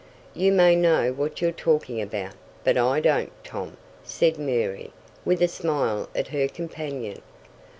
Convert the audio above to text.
"You may know what you're talking about, but I don't, Tom," said Mary, with a smile at her companion.